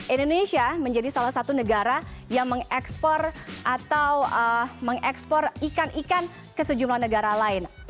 indonesia menjadi salah satu negara yang mengekspor atau mengekspor ikan ikan ke sejumlah negara lain